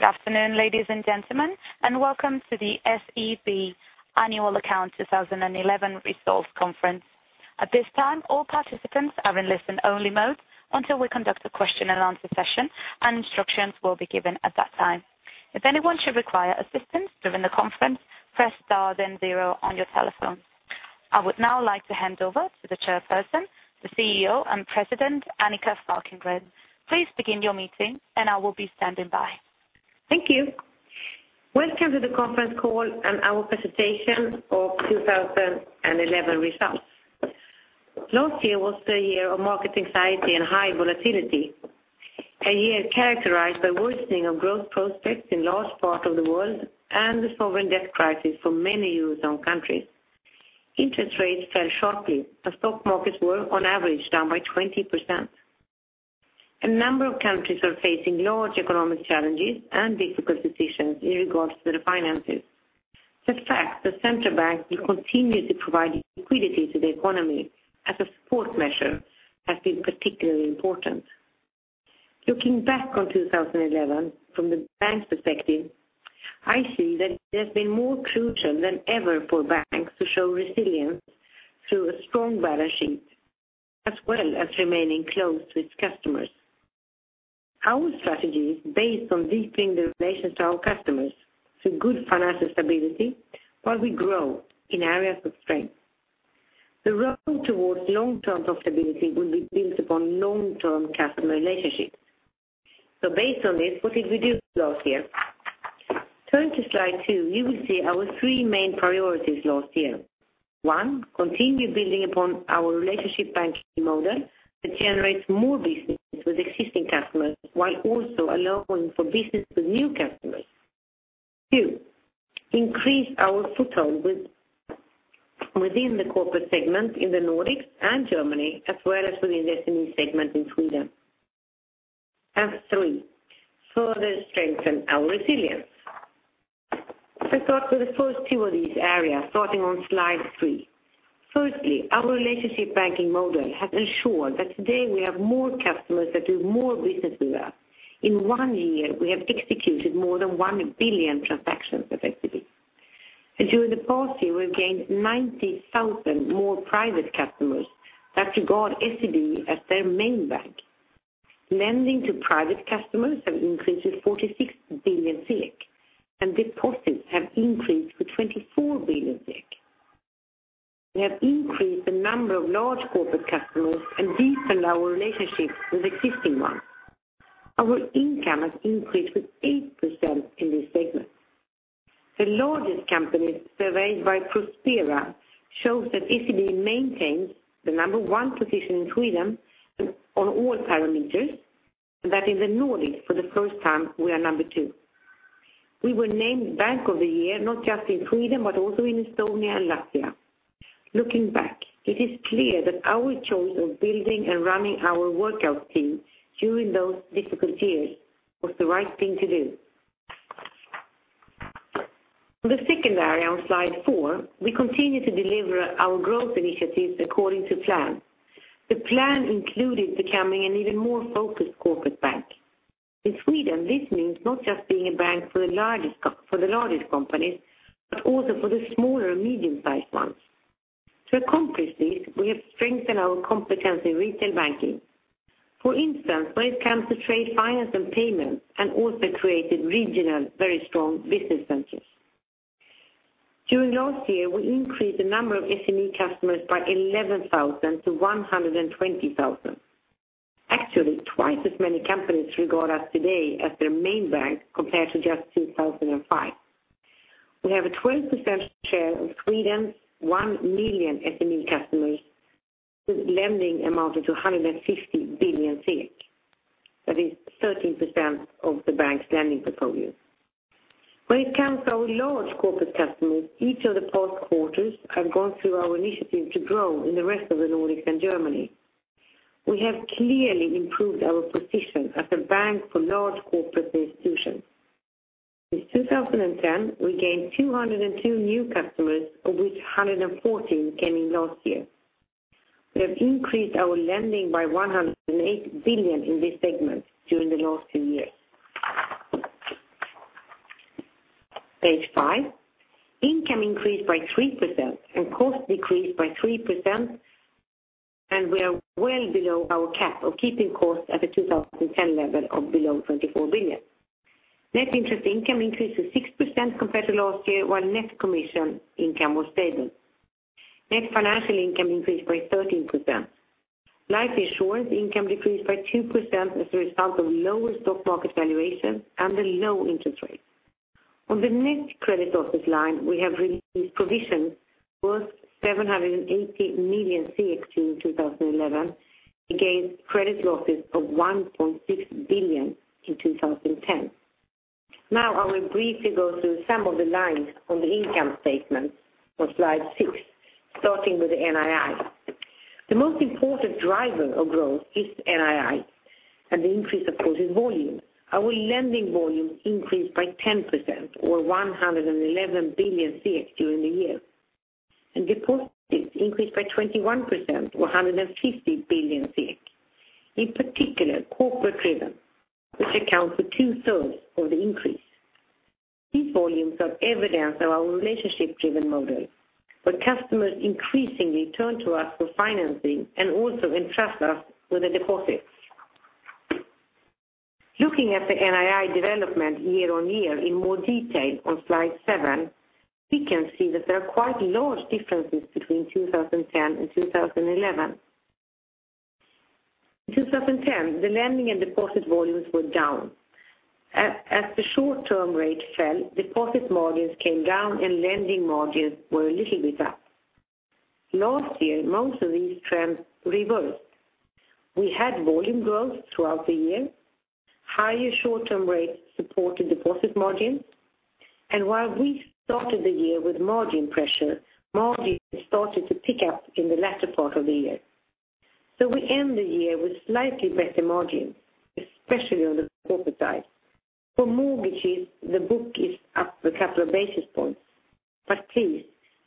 Good afternoon, ladies and gentlemen, and welcome to the SEB Annual Account 2011 Results Conference. At this time, all participants are in listen-only mode until we conduct a question-and-answer session, and instructions will be given at that time. If anyone should require assistance during the conference, press star then zero on your telephone. I would now like to hand over to the Chairperson, the CEO and President, Annika Falkengren. Please begin your meeting, and I will be standing by. Thank you. Welcome to the conference call and our presentation for 2011 results. Last year was the year of market anxiety and high volatility, a year characterized by worsening of growth prospects in large parts of the world and the sovereign debt crisis for many U.S.-owned countries. Interest rates fell sharply, and stock markets were, on average, down by 20%. A number of countries are facing large economic challenges and difficult decisions in regards to their finances. The fact that central banks will continue to provide liquidity to the economy as a support measure has been particularly important. Looking back on 2011 from the bank's perspective, I feel that it's been more crucial than ever for banks to show resilience through a strong balance sheet, as well as remaining close to its customers. Our strategy is based on deepening the relations to our customers through good financial stability while we grow in areas of strength. The road toward long-term profitability will be built upon long-term customer relationships. Based on this, what did we do last year? Turn to slide two. You will see our three main priorities last year. One, continue building upon our relationship banking model that generates more business with existing customers while also allowing for business with new customers. Two, increase our footprint within the corporate segment in the Nordics and Germany, as well as within the SME segment in Sweden. Three, further strengthen our resilience. Let's start with the first two of these areas, starting on slide three. Firstly, our relationship banking model has ensured that today we have more customers that do more business with us. In one year, we have executed more than one billion transactions effectively. During the past year, we've gained 90,000 more private customers that regard SEB as their main bank. Lending to private customers has increased by 46 billion, and deposits have increased by 24 billion. We have increased the number of large corporate customers and deepened our relationships with existing ones. Our income has increased by 8% in this segment. The largest company, surveyed by Prospera, shows that SEB maintains the number one position in Sweden on all parameters, and that in the Nordics, for the first time, we are number two. We were named Bank of the Year not just in Sweden, but also in Estonia and Latvia. Looking back, it is clear that our choice of building and running our workout team during those difficult years was the right thing to do. On the second area on slide four, we continue to deliver our growth initiatives according to plan. The plan included becoming an even more focused corporate bank. In Sweden, this means not just being a bank for the largest companies, but also for the smaller and medium-sized ones. To accomplish this, we have strengthened our competence in retail banking. For instance, when it comes to trade finance and payment, and also created regional, very strong business centers. During last year, we increased the number of SME customers by 11,000 to 120,000. Actually, twice as many companies regard us today as their main bank compared to just 2005. We have a 12% share of Sweden, one million SME customers, with lending amounted to 150 billion SEK. That is 13% of the bank's lending portfolio. When it comes to our large corporate customers, each of the past quarters has gone through our initiative to grow in the rest of the Nordics and Germany. We have clearly improved our position as a bank for large corporate institutions. In 2010, we gained 202 new customers, of which 114 came in last year. We have increased our lending by 108 billion in this segment during the last two years. Page five, income increased by 3% and cost decreased by 3%, and we are well below our cap of keeping cost at the 2010 level of below 24 billion. Net interest income increased by 6% compared to last year, while net commission income was stable. Net financial income increased by 13%. Life insurance income decreased by 2% as a result of lower stock market valuation and the low interest rate. On the net credit losses line, we have released provisions worth 780 million in 2011 against credit losses of 1.6 billion in 2010. Now, I will briefly go through some of the lines on the income statement on slide six, starting with the NII. The most important driver of growth is NII and the increase, of course, in volume. Our lending volume increased by 10%, or 111 billion during the year. Deposits increased by 21%, or 150 billion. In particular, corporate-driven, which accounts for two-thirds of the increase. These volumes are evidence of our relationship-driven model, where customers increasingly turn to us for financing and also entrust us with the deposits. Looking at the NII development year on year in more detail on slide seven, we can see that there are quite large differences between 2010 and 2011. In 2010, the lending and deposit volumes were down. As the short-term rate fell, deposit margins came down, and lending margins were a little bit up. Last year, most of these trends reversed. We had volume growth throughout the year, higher short-term rates supported deposit margins, and while we started the year with margin pressure, margins started to pick up in the latter part of the year. We end the year with slightly better margins, especially on the corporate side. For mortgages, the book is up a couple of basis points. Please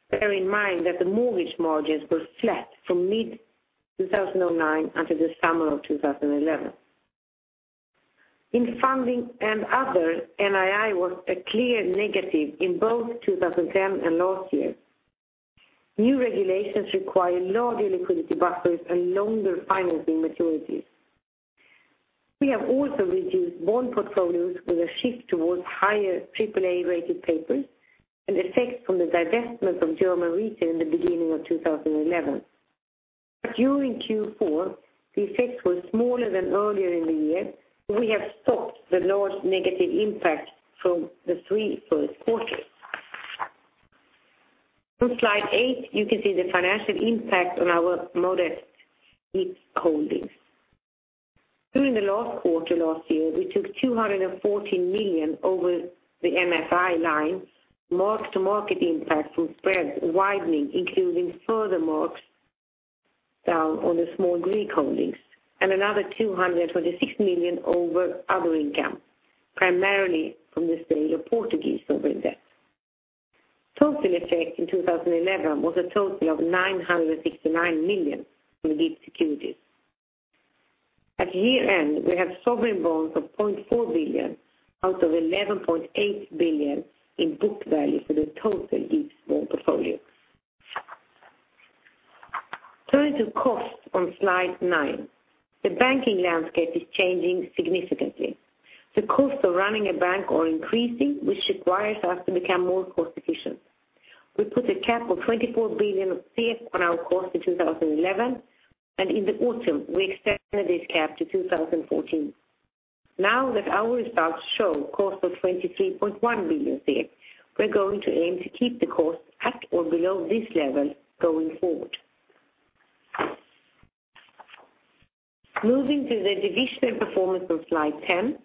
bear in mind that the mortgage margins were flat from mid-2009 until the summer of 2011. In funding and others, NII was a clear negative in both 2010 and last year. New regulations require larger liquidity buffers and longer finals in maturities. We have also reduced bond portfolios with a shift towards higher AAA-rated papers and effects from the divestment of German retail in the beginning of 2011. During Q4, the effects were smaller than earlier in the year, but we have stopped the large negative impact from the three first quarters. On slide eight, you can see the financial impact on our modest ETF holdings. During the last quarter last year, we took 240 million over the NFI line, marked the market impact from spreads widening, including further marks down on the small Greek holdings, and another 226 million over other income, primarily from the Spain or Portuguese sovereign debt. Total effect in 2011 was a total of 969 million from the ETF securities. At year end, we have sovereign bonds of 0.4 billion out of 11.8 billion in book value for the total ETF portfolio. Turning to cost on slide nine, the banking landscape is changing significantly. The cost of running a bank is increasing, which requires us to become more cost-efficient. We put a cap of 24 billion on our cost in 2011, and in the autumn, we extended this cap to 2014. Now that our results show a cost of 23.1 billion, we're going to aim to keep the cost at or below this level going forward. Moving to the divisional performance on slide ten,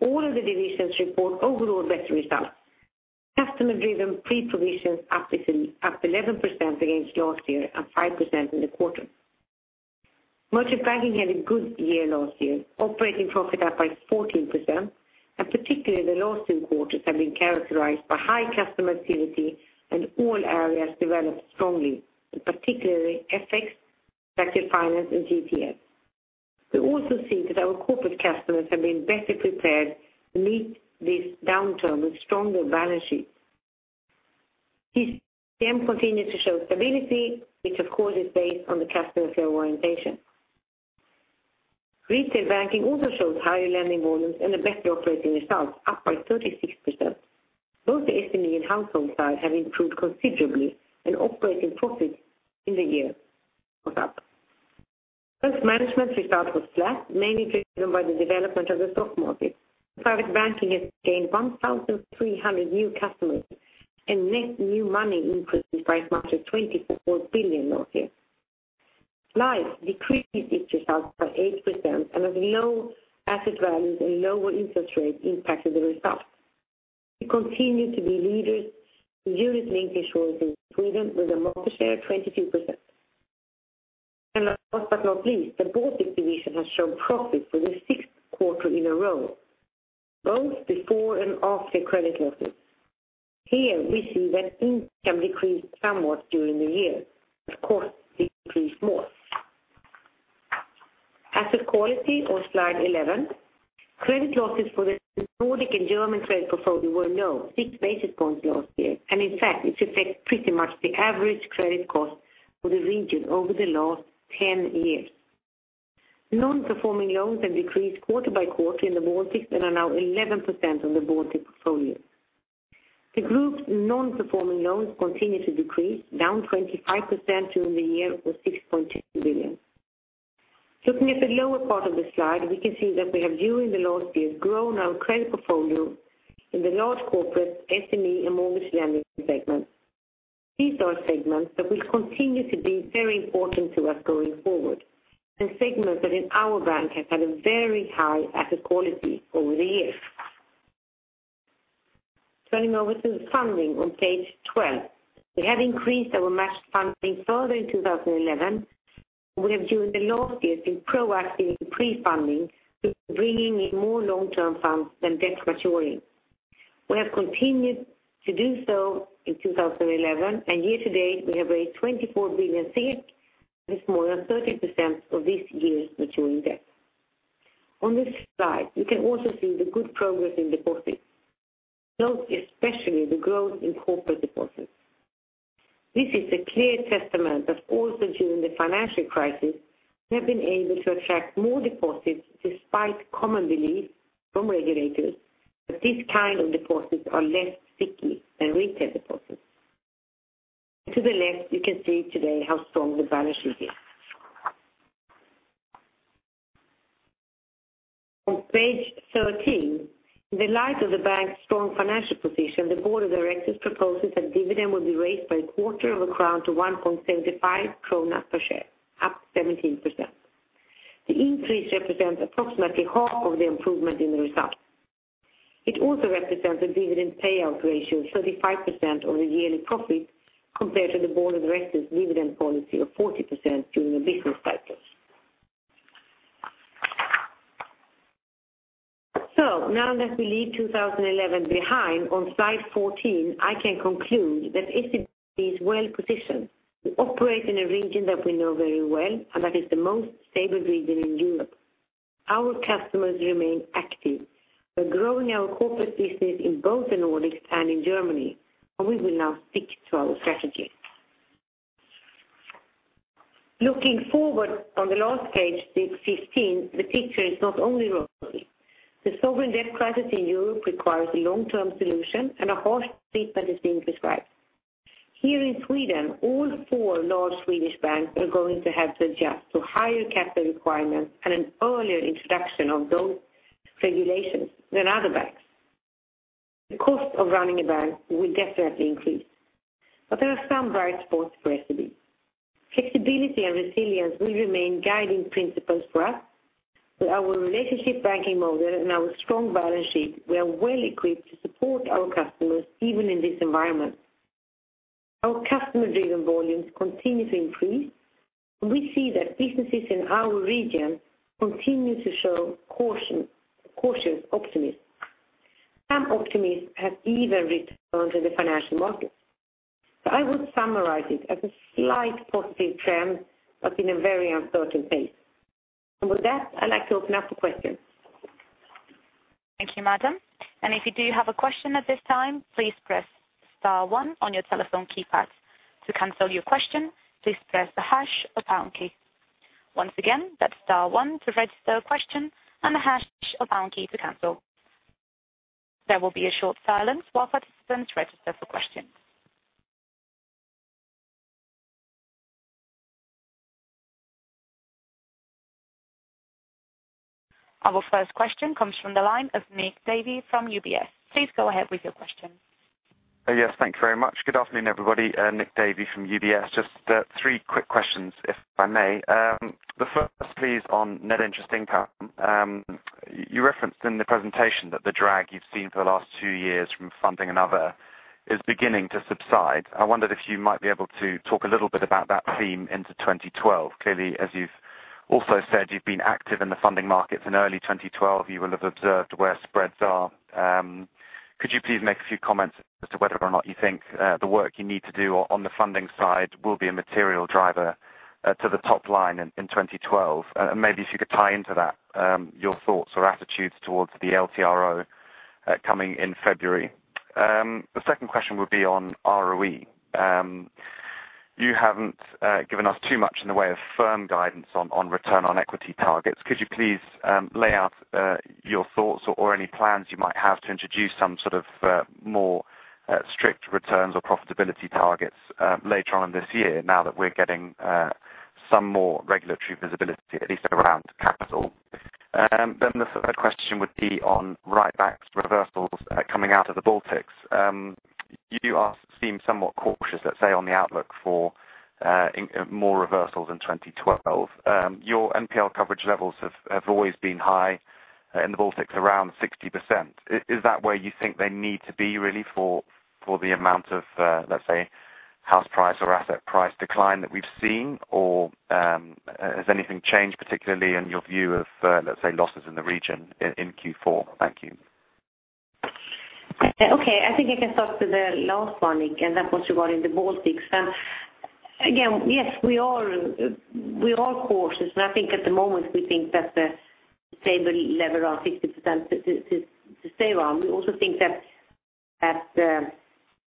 all of the divisions report overall better results. Customer-driven pre-provisions up 11% against last year and 5% in the quarter. Merchant banking had a good year last year, operating profit up by 14%, and particularly the last two quarters have been characterized by high customer activity and all areas developed strongly, particularly FX, venture finance, and GTS. We also see that our corporate customers have been better prepared to meet this downturn with stronger balance sheets. This trend continues to show stability, which of course is based on the customer care orientation. Retail banking also shows higher lending volumes and the better operating results, up by 36%. Both the SME and household sides have improved considerably, and operating profit in the year was up. Wealth management results were flat, mainly driven by the development of the stock market. Private banking has gained 1,300 new customers, and net new money increases by as much as SEK 24 billion last year. Life decreased its results by 8%, and as we know, asset values and lower interest rates impacted the results. We continue to be leaders in the unit-linked insurance in Sweden with a market share of 22%. Last but not least, the board distribution has shown profits for the sixth quarter in a row, both before and after credit losses. Here, we see that income decreased somewhat during the year. Costs increased more. Asset quality on slide 11, credit losses for the Nordic and German credit portfolio [were below six basis points], and in fact, it's pretty much the average credit cost for the region over the last 10 years. Non-performing loans have decreased quarter by quarter in the Nordics and are now 11% on the Nordic portfolio. The group's non-performing loans continue to decrease, down 25% during the year to 6.2 billion. Looking at the lower part of the slide, we can see that we have, during the last year, grown our credit portfolio in the large corporate, SME, and mortgage lending segment. These are segments that will continue to be very important to us going forward, and segments that in our bank have had a very high asset quality over the years. Turning over to funding on page 12, we have increased our matched funding further in 2011, and we have, during the last year, been proactive in pre-funding, bringing in more long-term funds than debt maturing. We have continued to do so in 2011, and year-to-date, we have raised 24 billion, which is more than 30% of this year's maturing debt. On this slide, you can also see the good progress in deposits, most especially the growth in corporate deposits. This is a clear testament that, also during the financial crisis, we have been able to attract more deposits despite common belief from regulators that these kinds of deposits are less sticky than retail deposits. To the left, you can see today how strong the balance sheet is. On page 13, in the light of the bank's strong financial position, the Board of Directors proposes that dividend will be raised by a quarter of a crown to 1.75 krona per share, up 17%. The increase represents approximately half of the improvement in the result. It also represents a dividend payout ratio of 35% of the yearly profit compared to the Board of Directors' dividend policy of 40% during the business cycles. Now that we leave 2011 behind, on slide 14, I can conclude that SEB is well positioned, operating in a region that we know very well, and that is the most stable region in Europe. Our customers remain active. We're growing our corporate business in both the Nordics and in Germany, and we will now stick to our strategy. Looking forward on the last page, page 15, the picture is not only rosy. The sovereign debt crisis in Europe requires a long-term solution and a harsh treatment is being prescribed. Here in Sweden, all four large Swedish banks are going to have to adjust to higher capital requirements and an earlier introduction of those regulations than other banks. The cost of running a bank will definitely increase, but there are some bright spots for SEB. Flexibility and resilience will remain guiding principles for us, but our relationship banking model and our strong balance sheet, we are well equipped to support our customers even in this environment. Our customer-driven volumes continue to increase, and we see that businesses in our region continue to show cautious optimism. Some optimists have even returned to the financial markets. I would summarize it as a slight positive trend, but in a very uncertain pace. With that, I'd like to open up for questions. Thank you, Madam. If you do have a question at this time, please press star one on your telephone keypad. To cancel your question, please press the hash or pound key. Once again, that's star one to register a question and the hash or pound key to cancel. There will be a short silence while participants register for questions. Our first question comes from the line of Nick Davey from UBS. Please go ahead with your question. Yes, thank you very much. Good afternoon, everybody. Nick Davey from UBS. Just three quick questions, if I may. The first, please, on net interest income. You referenced in the presentation that the drag you've seen for the last two years from funding, another, is beginning to subside. I wondered if you might be able to talk a little bit about that theme into 2012. Clearly, as you've also said, you've been active in the funding markets in early 2012. You will have observed where spreads are. Could you please make a few comments as to whether or not you think the work you need to do on the funding side will be a material driver to the top line in 2012? Maybe if you could tie into that your thoughts or attitudes towards the LTRO coming in February. The second question would be on ROE. You haven't given us too much in the way of firm guidance on return on equity targets. Could you please lay out your thoughts or any plans you might have to introduce some sort of more strict returns or profitability targets later on in this year, now that we're getting some more regulatory visibility, at least around capital? The third question would be on right-backs, reversals coming out of the Baltics. You seem somewhat cautious, let's say, on the outlook for more reversals in 2012. Your non-performing loan coverage levels have always been high in the Baltics, around 60%. Is that where you think they need to be, really, for the amount of, let's say, house price or asset price decline that we've seen, or has anything changed particularly in your view of, let's say, losses in the region in Q4? Thank you. Okay. I think I can start with the last one, again, that was regarding the Baltics. Yes, we are cautious, and I think at the moment we think that the stable level of 60% is to stay around. We also think that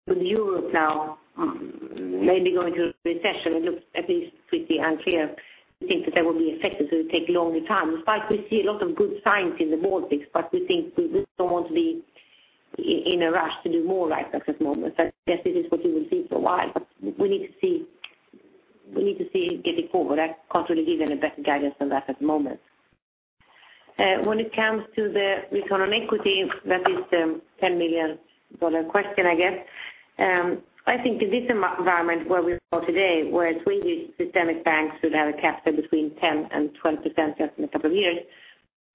with Europe now maybe going through a recession, it looks at least pretty unclear. We think that that will be effective, so it will take a long time. In fact, we see a lot of good signs in the Baltics, but we think we just don't want to be in a rush to do more right-backs at the moment. I guess this is what you will see for a while, but we need to see it getting forward. I can't really give any better guidance than that at the moment. When it comes to the return on equity, that is the ten million dollar question, I guess. I think in this environment where we are today, where Swedish systemic banks should have a capital between 10%-12% in the coming years,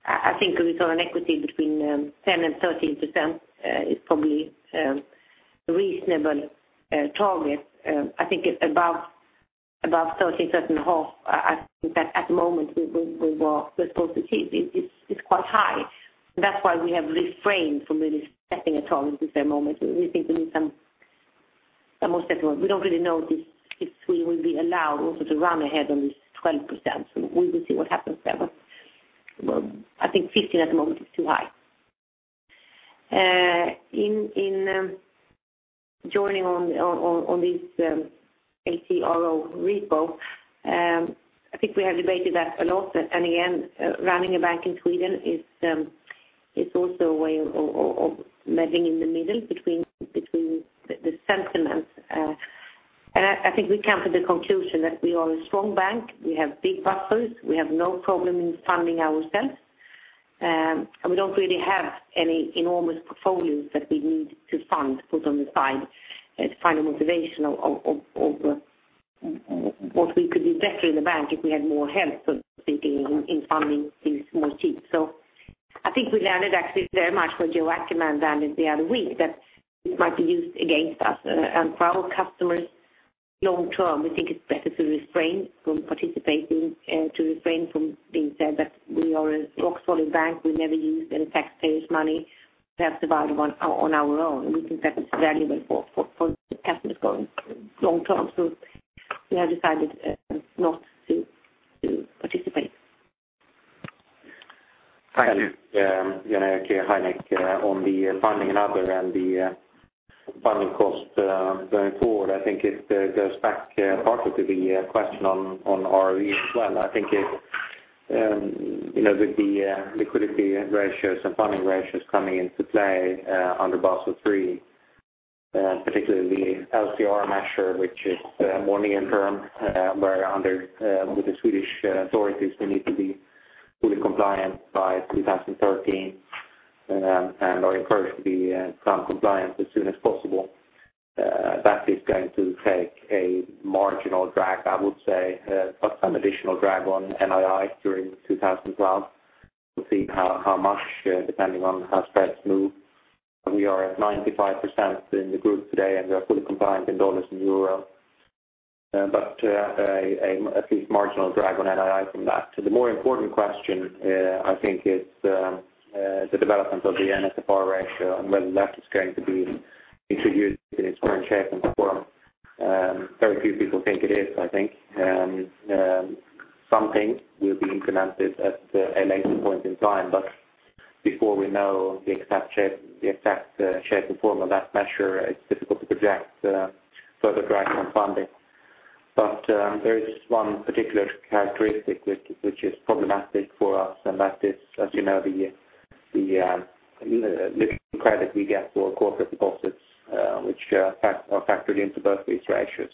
I think return on equity between 10%-13% is probably a reasonable target. I think it's above 13.5%. I think that at the moment we were, let's say, positive it's quite high. That's why we have refrained from really setting a target at this moment. We think we need some more steps forward. We don't really know if we will be allowed also to run ahead on 12%. We will see what happens there. I think 15% at the moment is too high. In joining on this LTRO repo, I think we have debated that a lot. Running a bank in Sweden is also a way of measuring in the middle between the sentiment. I think we come to the conclusion that we are a strong bank. We have big buffers. We have no problem in funding ourselves. We don't really have any enormous portfolios that we need to fund, put on the side, to find a motivation of what we could do better in the bank if we had more health, thinking in funding things more cheap. I think we learned actually very much what Joachim and Dan did the other week, that it might be used against us. For our customers long-term, we think it's better to refrain from participating, to refrain from being said that we are a rock-solid bank. We never used any taxpayers' money. We have survived on our own. We think that it's valuable for customers going long-term. We have decided not to participate. Thank you. Jan Back, hi, Nick. On the funding and the funding cost going forward, I think it goes back partly to the question on ROE as well. I think it would be liquidity ratios and funding ratios coming into play under Basel III, and particularly the LTR measure, which is more near-term, where under the Swedish authorities, they need to be fully compliant by 2013. I encourage the client to be compliant as soon as possible. That is going to take a marginal drag, I would say, but some additional drag on NII during 2012. We'll see how much, depending on how spend moves. We are at 95% in the group today, and we are fully compliant in dollars and euro. At least a marginal drag on NII from that. The more important question, I think, is the development of the NSF ratio and whether that is going to be introduced in its current shape and form. Very few people think it is, I think. Some think it will be implemented at a later point in time. Before we know the exact shape and form of that measure, it's difficult to project further drag on funding. There is one particular characteristic which is problematic for us, and that is, as you know, the credit we get for corporate deposits, which are factored into both these ratios.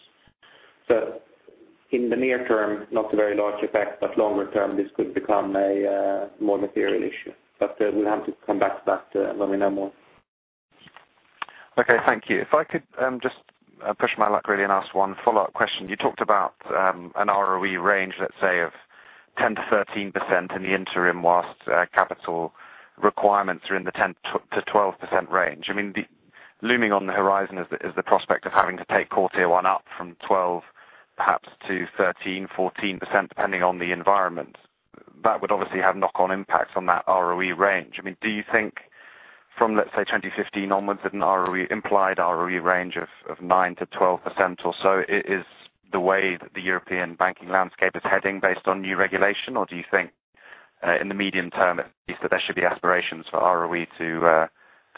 In the near term, not a very large effect, but longer term, this could become a more material issue. We'll have to come back to that when we know more. Okay. Thank you. If I could just push my luck, really, and ask one follow-up question. You talked about an ROE range, let's say, of 10%-13% in the interim whilst capital requirements are in the 10%-12% range. Looming on the horizon is the prospect of having to take quarter one up from 12%, perhaps to 13%-14%, depending on the environment. That would obviously have knock-on impacts on that ROE range. Do you think from, let's say, 2015 onwards, an implied ROE range of 9%-12% or so is the way that the European banking landscape is heading based on new regulation? Do you think in the medium term, at least, that there should be aspirations for ROE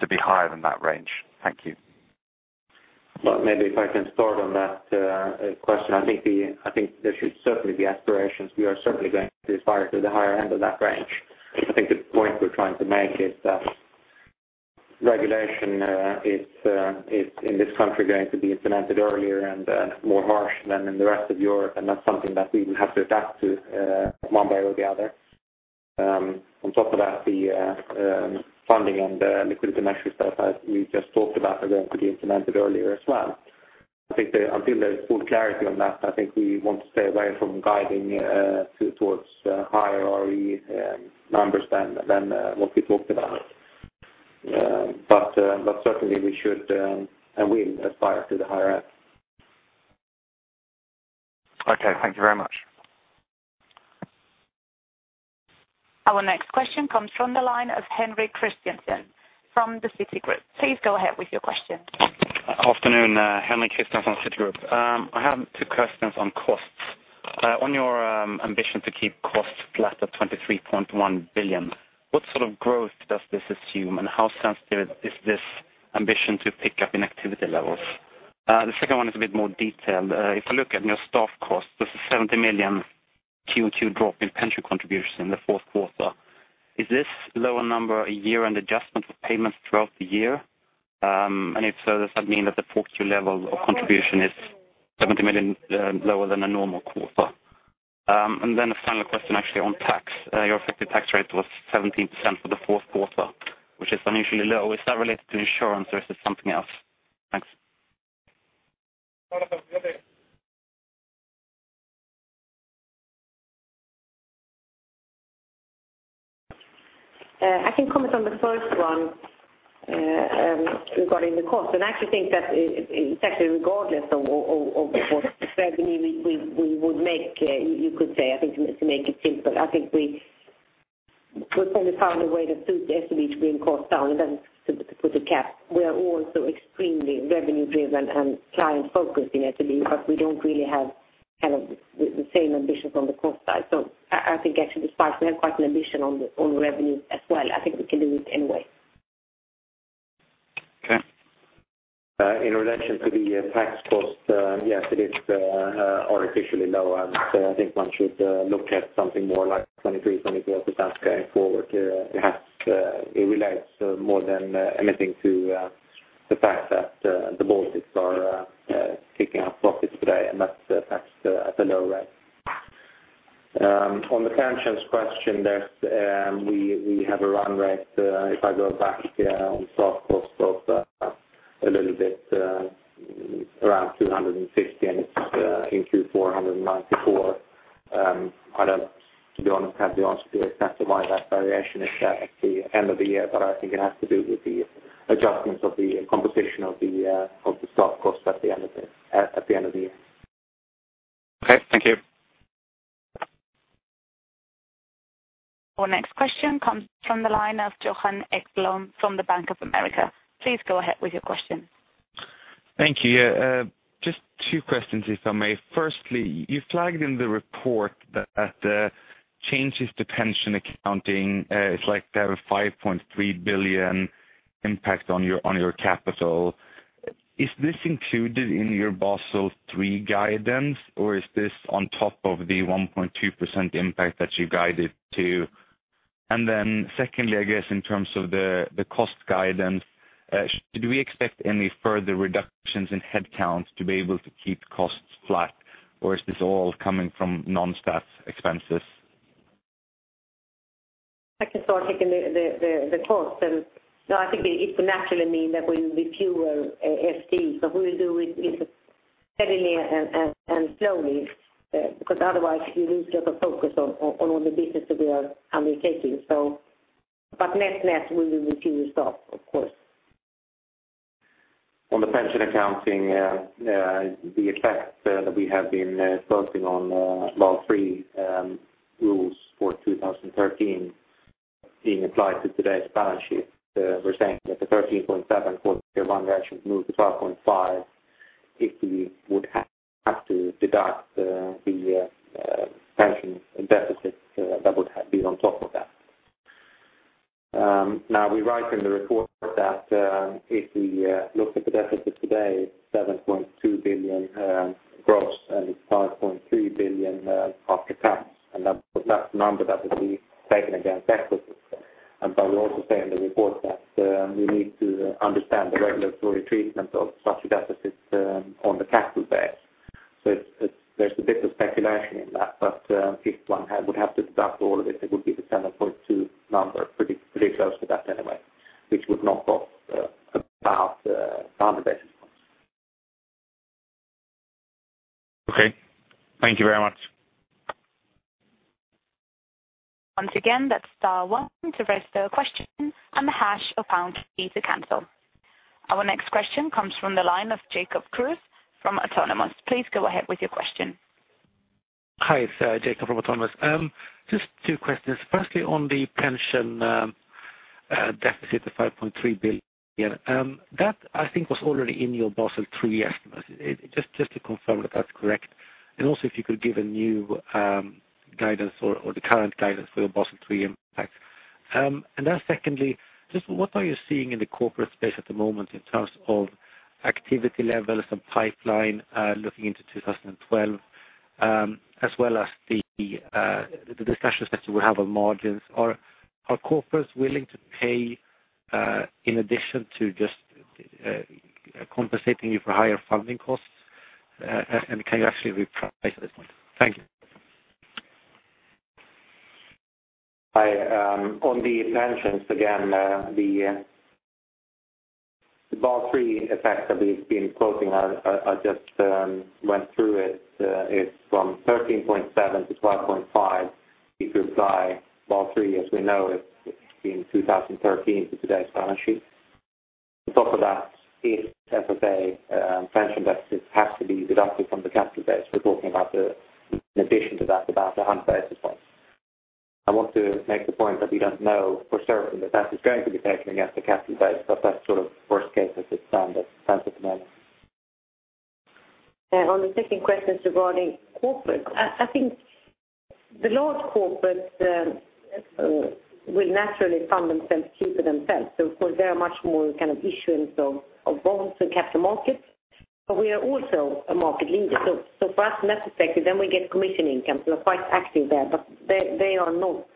to be higher than that range? Thank you. Maybe if I can start on that question. I think there should certainly be aspirations. We are certainly going to aspire to the higher end of that range. I think the point we're trying to make is that regulation is, in this country, going to be implemented earlier and more harsh than in the rest of Europe, and that's something that we will have to adapt to one way or the other. On top of that, the funding and liquidity measures that you just talked about are going to be implemented earlier as well. I think until there is full clarity on that, we want to stay away from guiding towards higher ROE numbers than what we talked about. Certainly, we should and will aspire to the higher end. Okay, thank you very much. Our next question comes from the line of Henrik Christiansson from Citigroup. Please go ahead with your question. Afternoon, Henrik Christiansson from Citigroup. I have two questions on costs. On your ambition to keep costs flat at 23.1 billion, what sort of growth does this assume, and how sensitive is this ambition to a pick up in activity levels? The second one is a bit more detailed. If I look at your staff costs, there's a 70 million Q2 drop in pension contributions in the fourth quarter. Is this lower number a year-end adjustment to payments throughout the year? If so, does that mean that the fourth-quarter level of contribution is 70 million lower than the normal quarter? The final question, actually, on tax. Your effective tax rate was 17% for the fourth quarter, which is unusually low. Is that related to insurance, or is it something else? Thanks. I can comment on the first one regarding the cost. I actually think that it's actually regardless of what revenue we would make, you could say, I think to make it simple. I think we probably found a way to suit SEB to bring costs down and then to put a cap. We are also extremely revenue-driven and client-focused in SEB because we don't really have the same ambitions on the cost side. I think actually despite we have quite an ambition on revenue as well, I think we can do it anyway. Yeah. In relation to the tax cost, yes, it is artificially lower. I think one should look at something more like 23% or 24% going forward. It relates more than anything to the fact that the Baltics are kicking up profits today and that's taxed at a low rate. On the pension question there, we have a run rate, if I go back on staff costs, of a little bit around 260 million and into 494 million. I don't, to be honest, have the answer to exactly why that variation is shown at the end of the year, but I think it has to do with the adjustment of the composition of the staff costs at the end of the year. Okay. Thank you. Our next question comes from the line of Johan Ekblom from Bank of America. Please go ahead with your question. Thank you. Just two questions, if I may. Firstly, you flagged in the report that the changes to pension accounting, it's like they have a 5.3 billion impact on your capital. Is this included in your Basel III guidance, or is this on top of the 1.2% impact that you guided to? Secondly, I guess in terms of the cost guidance, did we expect any further reductions in headcount to be able to keep costs flat, or is this all coming from non-staff expenses? I can start picking the costs. I think it will naturally mean that we will be fewer staff. We will do it steadily and slowly because otherwise, you lose your focus on all the business that we are undertaking. Net net, we will be fewer staff, of course. On the pension accounting, the effect that we have been focusing on Basel III rules for 2013 being applied to today's balance sheet, we're saying that the 13.7% for the evaluation moved to 12.5% if we would have to deduct the pension deficit that would have been on top of that. We write in the report that if we look at the deficit today, 7.2 billion gross, and it's 5.3 billion after tax. That number is taken against deficit. We also say in the report that we need to understand the regulatory treatment of such a deficit on the capital base. There is a bit of speculation in that. If one would have to deduct all of it, it would be the SEK 7.2 billion number, pretty close to that anyway, which would knock off about 50 basis points. Okay. Thank you very much. Once again, that's star one to raise the question and the hash or pound to cancel. Our next question comes from the line of Jacob Kruse from Autonomous. Please go ahead with your question. Hi, it's Jacob from Autonomous. Just two questions. Firstly, on the pension deficit of $5.3 billion, that I think was already in your Basel III estimates. Just to confirm that that's correct. Also, if you could give a new guidance or the current guidance for your Basel III impact. Secondly, just what are you seeing in the corporate space at the moment in terms of activity levels and pipeline looking into 2012, as well as the discussions that you would have on margins? Are corporates willing to pay in addition to just compensating you for higher funding costs? Can you actually replace at this point? Thank you. Hi. On the pensions, again, the Basel III effects have been floating. I just went through it. It's from 13.7% to 12.5% if we apply Basel III, as we know it in 2013, to today's balance sheet. On top of that, if, let's say, pension deficits have to be deducted from the capital base, we're talking about, in addition to that, about 100 basis points. I want to make the point that we don't know for certain that that is going to be taken against the capital base, but that's sort of worst case if it's done, that it's time to put an end. On the second question regarding corporates, I think the large corporates will naturally fund themselves deeper themselves. Of course, there is much more kind of issuance of bonds and capital markets. We are also a market lender. For us, net effect, then we get commission income. They're quite active there, but they are not.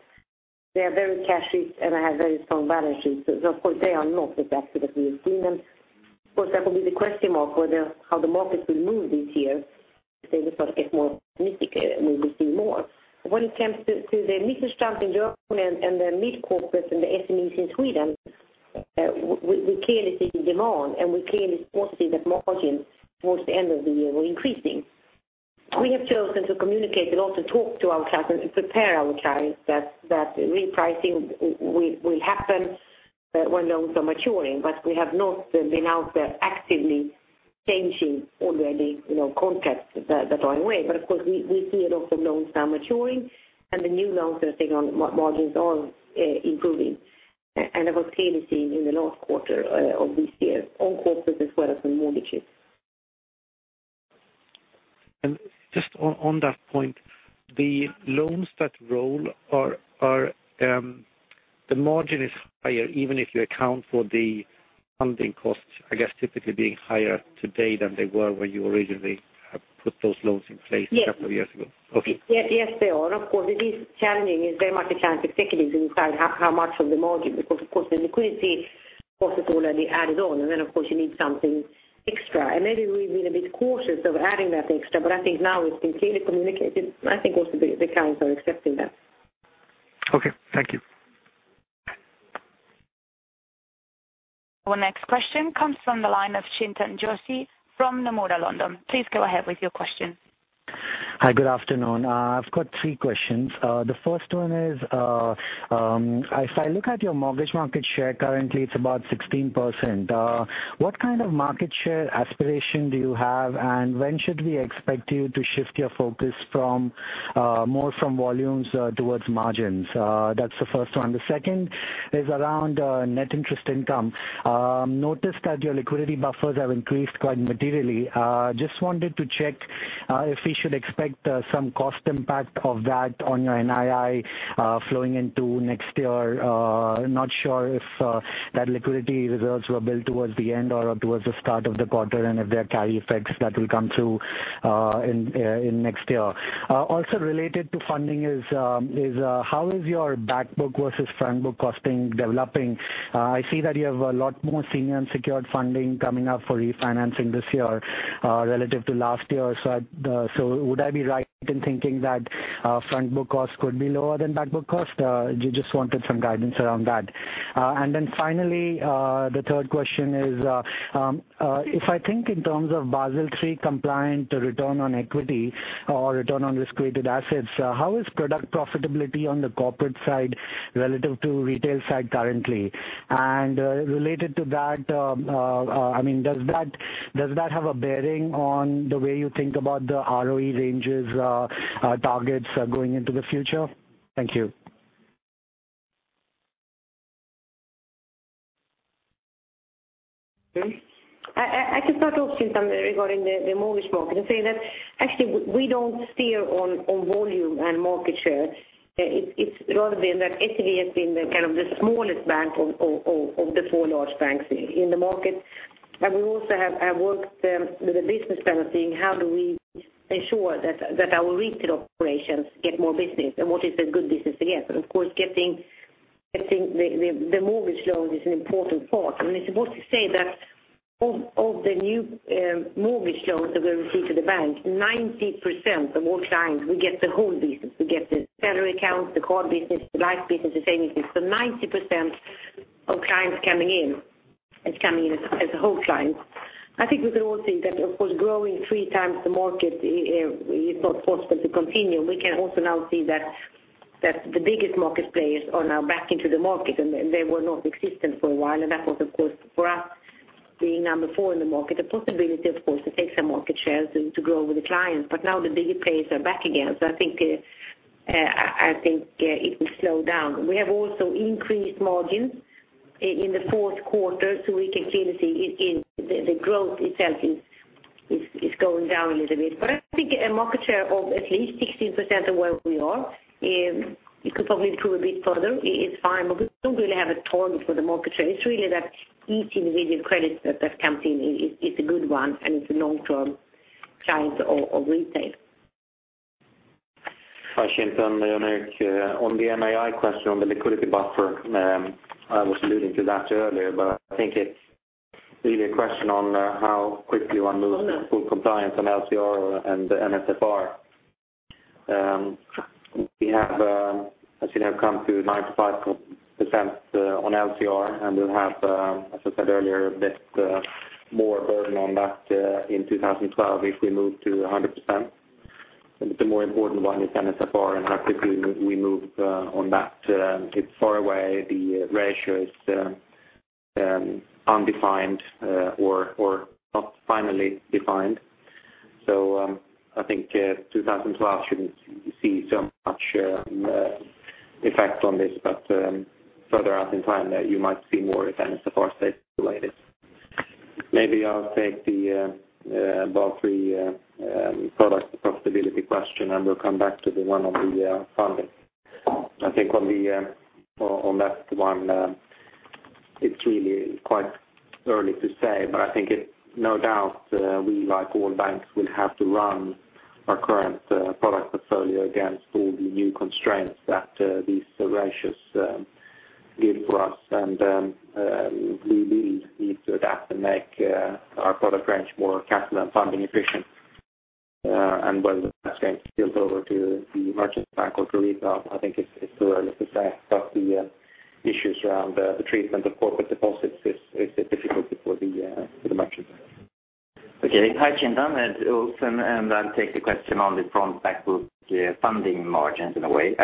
They are very cash-rich and they have very strong balance sheets. They are not exactly the best investments. That will be the question mark whether how the market will move this year. If they look like it's more significant, we will see more. When it comes to the [Nissen Standing Group] and the mid-corporate and the SMEs in Sweden, we clearly see demand, and we clearly are seeing that margin towards the end of the year will be increasing. We have chosen to communicate a lot and talk to ourselves and prepare our clients that repricing will happen when loans are maturing, but we have not been out there actively changing already contexts that are in way. We see a lot of loans now maturing, and the new loans that are taken on margins are improving. I've also seen it in the last quarter of this year, on corporates as well as on mortgages. The loans that roll, the margin is higher even if you account for the funding costs, I guess, typically being higher today than they were when you originally put those loans in place a couple of years ago. Yes, they are. Of course, it is challenging in the market time to exactly decide how much of the margin, because, of course, the liquidity cost is already added on. You need something extra. Maybe we've been a bit cautious of adding that extra, but I think now it's been clearly communicated. I think most of the clients are accepting that. Okay, thank you. Our next question comes from the line of Chintan Joshi from Nomura London. Please go ahead with your question. Hi, good afternoon. I've got three questions. The first one is, if I look at your mortgage market share, currently, it's about 16%. What kind of market share aspiration do you have, and when should we expect you to shift your focus more from volumes towards margins? That's the first one. The second is around net interest income. Notice that your liquidity buffers have increased quite materially. Just wanted to check if we should expect some cost impact of that on your NII flowing into next year. Not sure if that liquidity reserves were built towards the end or towards the start of the quarter, and if there are carry effects that will come through in next year. Also, related to funding is, how is your backbook versus frontbook costing developing? I see that you have a lot more senior and secured funding coming up for refinancing this year relative to last year. Would I be right in thinking that frontbook costs could be lower than backbook costs? Just wanted some guidance around that. Finally, the third question is, if I think in terms of Basel III compliant return on equity or return on risk-weighted assets, how is product profitability on the corporate side relative to retail side currently? Related to that, does that have a bearing on the way you think about the ROE ranges targets going into the future? Thank you. Okay. I can start off, Chintan, regarding the mortgage market and say that actually we don't steer on volume and market share. It's rather been that SEB has been the kind of the smallest bank of the four large banks in the market. We also have worked with a business plan of seeing how do we ensure that our retail operations get more business and what is a good business to get. Of course, getting the mortgage loan is an important part. I suppose to say that of the new mortgage loans that we receive to the bank, 90% of all clients, we get the whole business. We get the salary accounts, card business, bank business, and savings business. So, 90% of clients coming in is coming in as a whole client. I think we can all see that, of course, growing three times the market is not possible to continue. We can also now see that the biggest market players are now back into the market, and they were not existent for a while. That was, of course, for us being number four in the market, the possibility, of course, it takes a market share to grow with the clients. Now the biggest players are back again. I think it will slow down. We have also increased margins in the fourth quarter, so we can clearly see the growth itself is going down a little bit. I think a market share of at least 16% of where we are, you can probably improve a bit further. It's fine. We don't really have a target for the market share. It's really that each individual credit that comes in is a good one, and it's a long-term client of retail. Hi, Chintan, on the NII question on the liquidity buffer, I was alluding to that earlier, but I think it's really a question on how quickly one moves to full compliance on LCR and NSFR. We have, as you know, come to 95% on LCR, and we'll have, as I said earlier, a bit more burden on that in 2012 if we move to 100%. The more important one is NSFR, and how quickly we move on that. It's far away. The ratio is undefined or not finally defined. I think 2012 shouldn't see so much effect on this, but further on in time, you might see more of NSFR-based related. Maybe I'll take the Basel III product profitability question, and we'll come back to the one on the funding. I think on that one, it's really quite early to say, but I think it no doubt we, like all banks, will have to run our current product portfolio against all the new constraints that these ratios give for us. We will need to adapt and make our product range more capital and funding efficient. Whether that's going to be built over to the merchant bank or to rebound, I think it's too early to say. The issues around the treatment of corporate deposits is a bit difficult before the merchant bank. Okay. Hi Chintan, i take the question on the front/backbook funding margins in a way.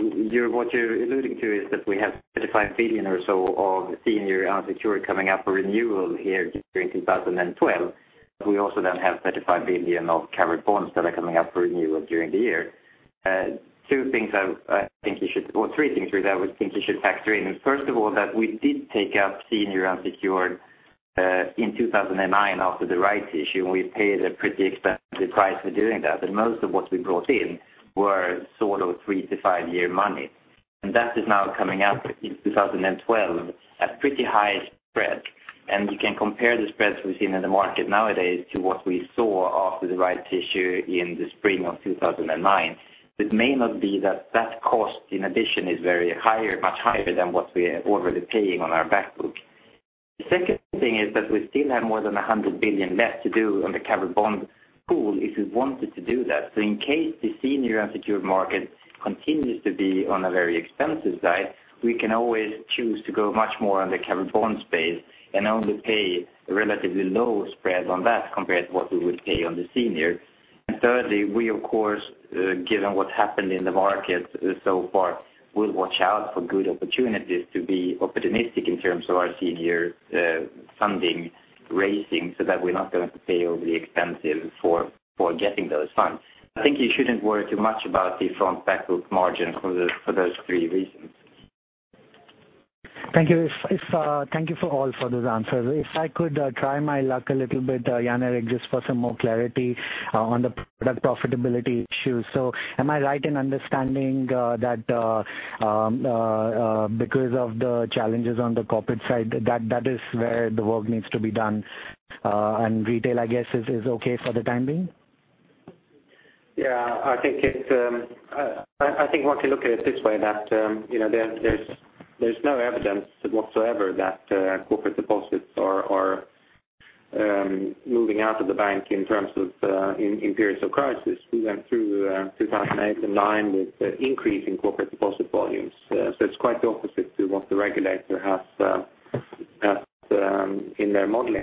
I think what you're alluding to is that we have 35 billion or so of senior and secured coming up for renewal here during 2012. We also then have 35 billion of covered bonds that are coming up for renewal during the year. Three things I think you should factor in. First of all, that we did take up senior and secured in 2009 after the rights issue, and we paid a pretty expensive price for doing that. Most of what we brought in were sort of three to five-year money, and that is now coming up in 2012 at pretty high spread. You can compare the spreads we've seen in the market nowadays to what we saw after the rights issue in the spring of 2009. It may not be that that cost in addition is much higher than what we're already paying on our backbook. The second thing is that we still have more than 100 billion left to do on the covered bond pool if we wanted to do that. In case the senior and secured market continues to be on a very expensive side, we can always choose to go much more on the covered bond space and only pay a relatively low spread on that compared to what we would pay on the senior. Thirdly, we, of course, given what's happened in the market so far, will watch out for good opportunities to be opportunistic in terms of our senior funding raising so that we're not going to have to pay overly expensive for getting those funds. I think you shouldn't worry too much about the front/backbook margin for those three reasons. Thank you. Thank you for all those answers. If I could try my luck a little bit, Jan Erik, just for some more clarity on the product profitability issue. Am I right in understanding that because of the challenges on the corporate side, that is where the work needs to be done? Retail, I guess, is okay for the time being? I think once you look at it this way, there's no evidence whatsoever that corporate deposits are moving out of the bank in terms of in periods of crisis. We went through 2008 in line with increasing corporate deposit volumes. It's quite the opposite to what the regulator has in their modeling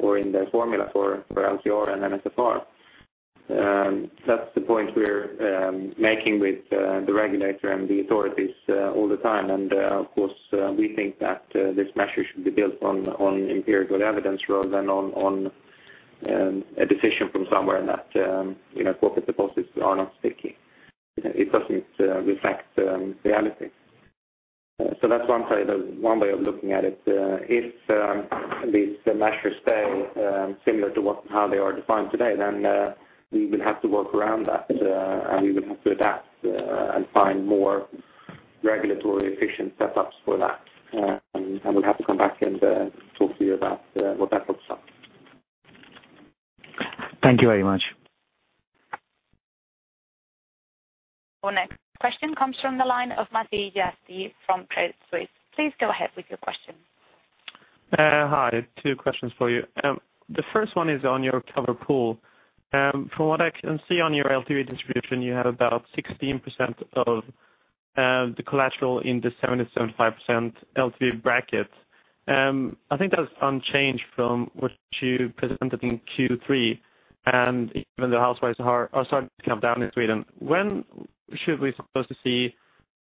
or in their formula for LCR and NSFR. That's the point we're making with the regulator and the authorities all the time. Of course, we think that this measure should be built on empirical evidence rather than on a decision from somewhere in that corporate deposits are not sticky. It doesn't reflect reality. That's one way of looking at it. If these measures stay similar to how they are defined today, we will have to work around that, and we will have to adapt and find more regulatory efficient setups for that. I will have to come back and talk to you about what that looks like. Thank you very much. Our next question comes from the line of Matti Jäkel from Credit Suisse. Please go ahead with your question. Hi. Two questions for you. The first one is on your cover pool. From what I can see on your LTV distribution, you have about 16% of the collateral in the 70%-75% LTV bracket. I think that's unchanged from what you presented in Q3. Even though house values are starting to come down in Sweden, when should we suppose to see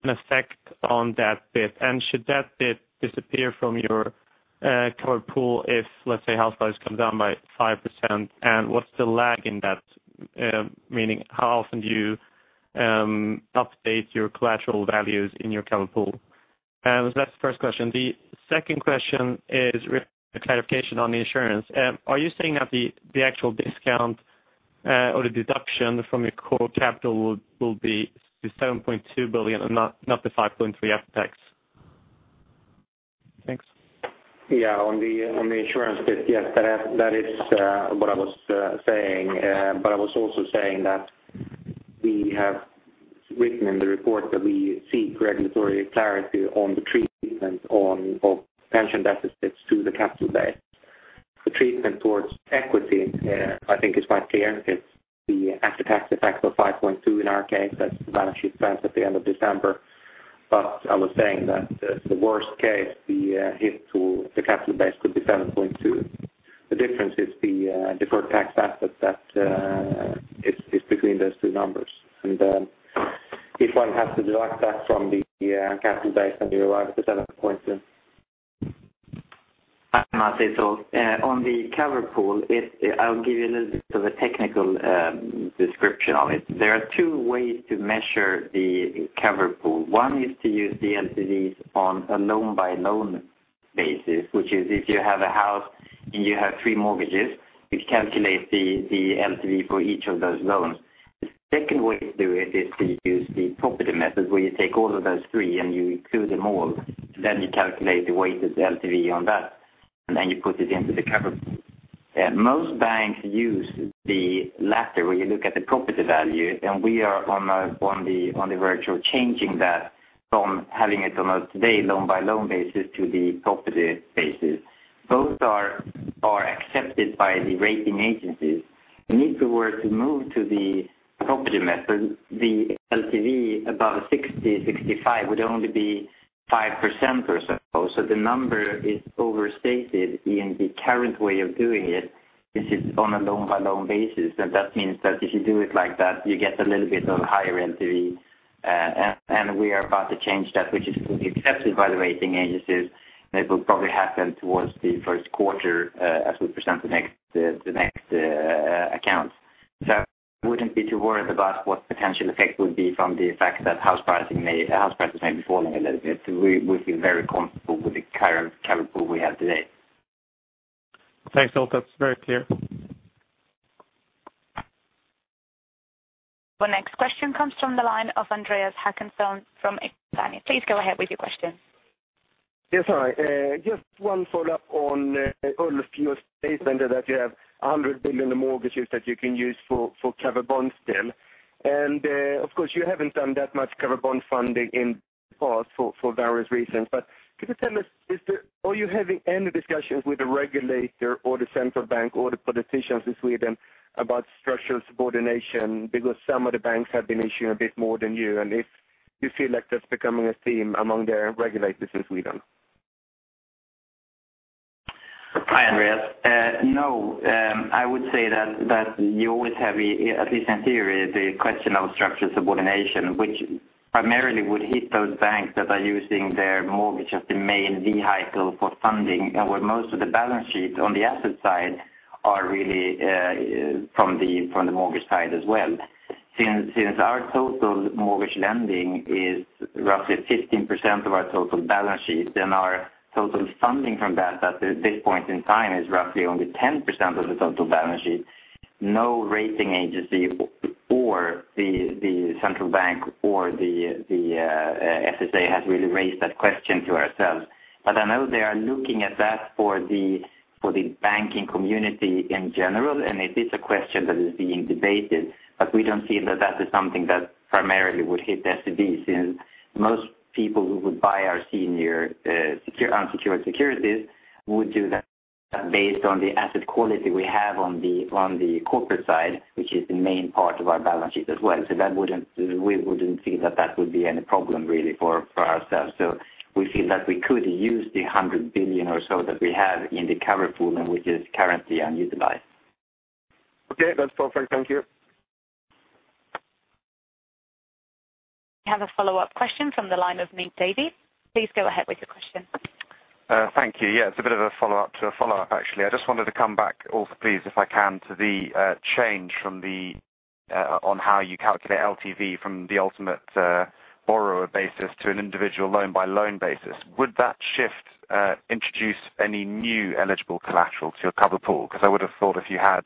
an effect on that bit? Should that bit disappear from your cover pool if, let's say, house values come down by 5%? What's the lag in that? Meaning, how often do you update your collateral values in your cover pool? That's the first question. The second question is really a clarification on the insurance. Are you saying that the actual discount or the deduction from your core capital will be the 7.2 billion and not the 5.3 billion after tax? Thanks. Yeah. On the insurance bit, yes, that is what I was saying. I was also saying that we have written in the report that we seek regulatory clarity on the treatment of pension deficits to the capital base. Treatment towards equity, I think, is quite clear. It's the after-tax deductible 5.2 million in our case. That's the balance sheet planned at the end of December. I was saying that the worst case, the hit to the capital base could be 7.2 million. The difference is the deferred tax asset that is between those two numbers. If one has to deduct that from the capital base, then you arrive at the SEK 7.2 million. I see. On the cover pool, I'll give you a little bit of a technical description of it. There are two ways to measure the cover pool. One is to use the LTVs on a loan-by-loan basis, which is if you have a house and you have three mortgages, you calculate the LTV for each of those loans. The second way to do it is to use the property method where you take all of those three and you include them all. You calculate the weighted LTV on that, and then you put it into the cover pool. Most banks use the latter, where you look at the property value, and we are on the verge of changing that from having it on a loan-by-loan basis today to the property basis. Both are accepted by the rating agencies. If we were to move to the property method, the LTV above 60%, 65% would only be 5%, for example. The number is overstated in the current way of doing it since it's on a loan-by-loan basis, which means that if you do it like that, you get a little bit of higher LTV. We are about to change that, which is fully accepted by the rating agencies. It will probably happen towards the first quarter as we present the next account. I wouldn't be too worried about what potential effects would be from the effect that house prices may be falling a little bit. We feel very comfortable with the current cover pool we have today. Thanks, all. That's very clear. Our next question comes from the line of Andreas Håkansson from Exane. Please go ahead with your question. Yes, hi. Just one follow-up on, you have 100 billion in mortgages that you can use for covered bonds still. Of course, you haven't done that much covered bond funding in the past for various reasons. Could you tell us, are you having any discussions with the regulator or the central bank or the politicians in Sweden about structural subordination? Some of the banks have been issuing a bit more than you. Do you feel like that's becoming a theme among the regulators in Sweden? Hi, Andreas. No, I would say that you always have, at least in theory, the question of structural subordination, which primarily would hit those banks that are using their mortgage as the main vehicle for funding, where most of the balance sheet on the asset side are really from the mortgage side as well. Since our total mortgage lending is roughly 15% of our total balance sheet, then our total funding from that, at this point in time, is roughly only 10% of the total balance sheet. No rating agency or the central bank or the FSA has really raised that question to ourselves. I know they are looking at that for the banking community in general, and it is a question that is being debated. We don't feel that that is something that primarily would hit SEB since most people who would buy our senior unsecured securities would do that based on the asset quality we have on the corporate side, which is the main part of our balance sheet as well. We wouldn't feel that that would be any problem really for ourselves. We feel that we could use the 100 billion or so that we have in the cover pool and which is currently unutilized. Yeah, that's perfect. Thank you. We have a follow-up question from the line of Nick Davey. Please go ahead with your question. Thank you. It's a bit of a follow-up to a follow-up, actually. I just wanted to come back also, please, if I can, to the change from how you calculate LTV from the ultimate borrower basis to an individual loan-by-loan basis. Would that shift introduce any new eligible collateral to your cover pool? I would have thought if you had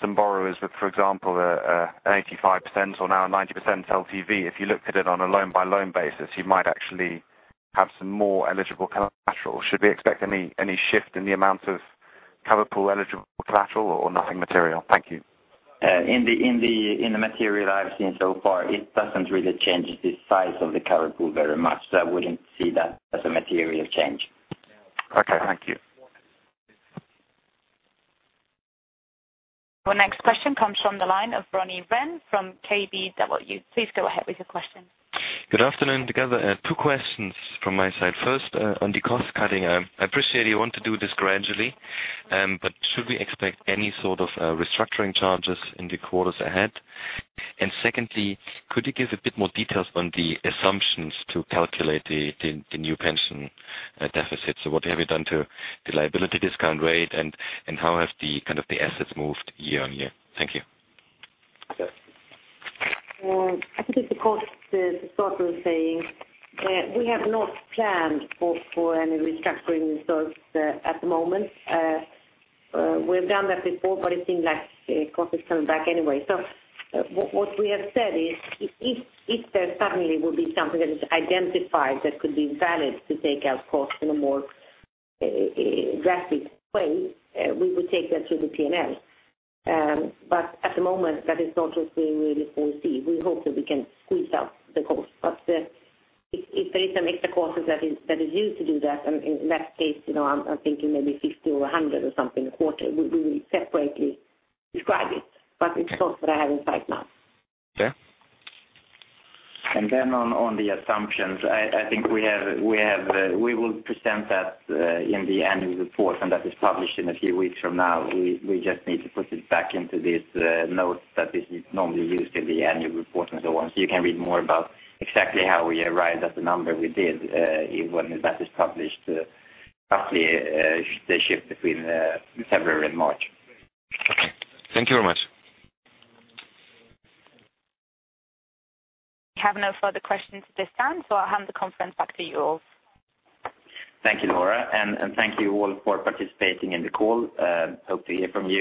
some borrowers with, for example, an 85% or now a 90% LTV, if you looked at it on a loan-by-loan basis, you might actually have some more eligible collateral. Should we expect any shift in the amount of cover pool eligible collateral or nothing material? Thank you. In the material I've seen so far, it doesn't really change the size of the cover pool very much. I wouldn't see that as a material change. Okay, thank you. Our next question comes from the line of Ronny Rehn from KBW. Please go ahead with your question. Good afternoon together. Two questions from my side. First, on the cost cutting, I appreciate you want to do this gradually, but should we expect any sort of restructuring charges in the quarters ahead? Secondly, could you give a bit more details on the assumptions to calculate the new pension deficits? What have you done to the liability discount rate and how have the kind of assets moved year on year? Thank you. I think it's the cost and historical saying that we have not planned for any restructuring results at the moment. We have done that before, but it seems like the cost is coming back anyway. What we have said is if there suddenly would be something that is identified that could be valid to take out costs in a more drastic way, we would take that through the P&L. At the moment, that is not what we really see. We hope that we can squeeze out the cost. If there is some extra cost that is used to do that, in that case, you know, I'm thinking maybe 50 million or 100 million or something a quarter, we separately describe it. It's not what I have in sight now. Yeah. On the assumptions, I think we will present that in the annual report, and that is published in a few weeks from now. We just need to put it back into this note that is normally used in the annual report and so on. You can read more about exactly how we arrived at the number we did when that is published, roughly the shift between February and March. Thank you very much. We have no further questions at this time, so I'll hand the conference back to you all. Thank you, Nora, and thank you all for participating in the call. Hope to hear from you.